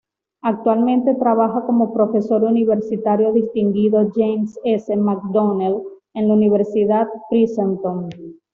Actualmente trabaja como profesor universitario distinguido James S. McDonnell en la Universidad de Princeton.